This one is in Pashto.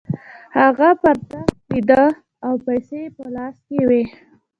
هغه پر تخت ویده او پیسې یې په لاس کې وې